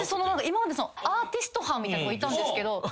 今までアーティスト班みたいなとこいたんですけど。